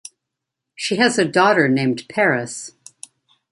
She has a daughter named Paris.